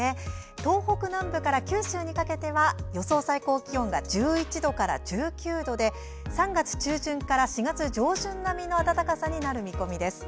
東北南部から九州にかけては予想最高気温が１１度から１９度で３月中旬から４月上旬並みの暖かさになる見込みです。